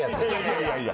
いやいや。